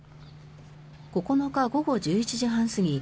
９日午後１１時半過ぎ